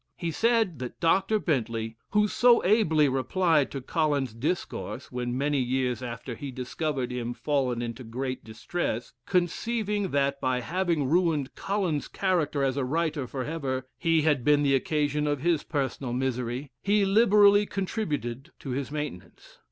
He said that Dr. Bentley, who so ably replied to Collins's 'Discourse,' when many years after he discovered him fallen into great distress, conceiving that by having ruined Collins's character as a writer for ever, he had been the occasion of his personal misery, he liberally contributed to his maintenance.